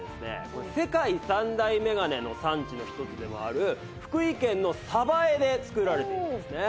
世界三大メガネの産地の一つでもある福井県の江で作られてるんですね。